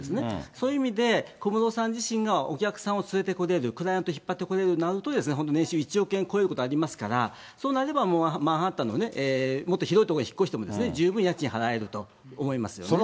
そういう意味で、小室さん自身がお客さんを連れてこれる、クライアントを引っ張ってこれるようになると、年収１億円を超えることもありますから、そうなればマンハッタンのもっと広い所に引っ越しても、十分家賃払えると思いますよね。